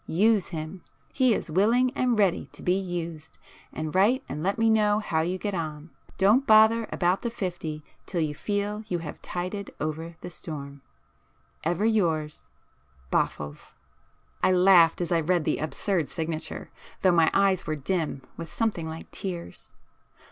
Use him; he is willing and ready to be used,—and write and let me know how you get on. Don't bother [p 11] about the fifty till you feel you have tided over the storm. Ever yours Boffles. I laughed as I read the absurd signature, though my eyes were dim with something like tears.